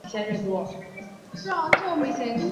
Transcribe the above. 玉山四节蜱为节蜱科四节蜱属下的一个种。